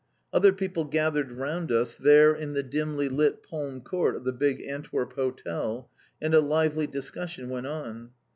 Other people gathered round us, there in the dimly lit palm court of the big Antwerp Hotel, and a lively discussion went on.